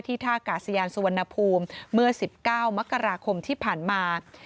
ท่ากาศยานสุวรรณภูมิเมื่อ๑๙มกราคมที่ผ่านมา